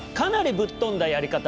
ぶっ飛んだやりかた？